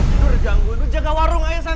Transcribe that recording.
tidur gangguin lo jaga warung aja sana